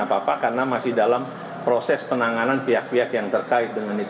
kenapa pak karena masih dalam proses penanganan pihak pihak yang terkait dengan itu